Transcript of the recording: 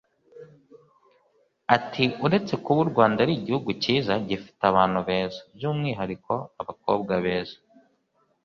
Ati“Uretse kuba u Rwanda ari igihugu cyiza gifite n’abantu beza by’umwihariko abakobwa beza